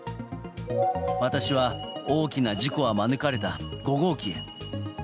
私は大きな事故は免れた５号機へ。